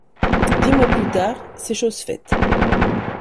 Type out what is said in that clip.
Dix mois plus tard, c'est chose faite.